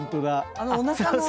あのおなかのね。